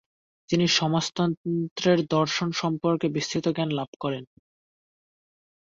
তিনি সমাজতন্ত্রের দর্শন সম্পর্কে বিস্তৃত জ্ঞান লাভ করেন।